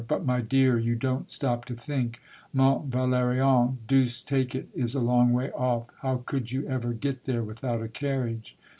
" But, my dear, you don't stop to think ! Mont Valerien — deuce take it !— is a long way off. How could you ever get there without a carriage?